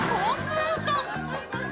アウト。